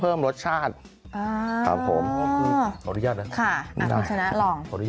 ข้างบัวแห่งสันยินดีต้อนรับทุกท่านนะครับ